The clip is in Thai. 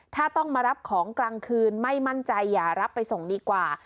ถ้าต้องมารับของกลางคืนไม่มั่นใจอย่ารับไปส่งดีกว่า